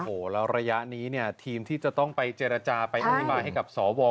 โอ้โหแล้วระยะนี้เนี่ยทีมที่จะต้องไปเจรจาไปอธิบายให้กับสว